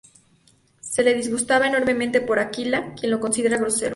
Se le disgustaba enormemente por Aquila, quien lo considera grosero.